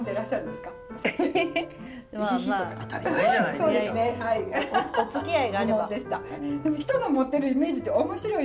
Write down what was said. でも人の持ってるイメージって面白いですよね。